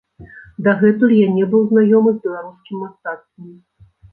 Дагэтуль я не быў знаёмы з беларускім мастацтвам.